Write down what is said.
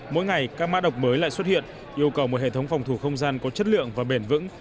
mỗi ngày các mã độc mới lại xuất hiện yêu cầu một hệ thống phòng thủ không gian có chất lượng và bền vững